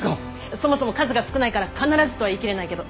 そもそも数が少ないから必ずとは言い切れないけど。